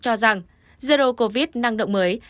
cho rằng zero covid năng động mới